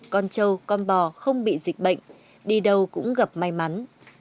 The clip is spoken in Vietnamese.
con trâu con bò không bị dịch bệnh đi đâu cũng gặp may mắn